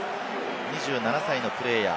２７歳のプレーヤー。